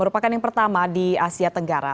pertama di asia tenggara